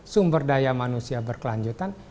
sumber daya manusia berkelanjutan